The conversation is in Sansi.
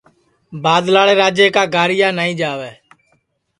بادلاڑے راجے کا گاریا نائی جاوے